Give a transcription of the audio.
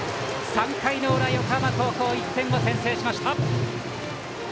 ３回の裏、横浜高校１点を先制しました。